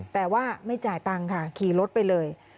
แต่ว่าไม่จ่ายตังค์ค่ะขี่รถไปเลย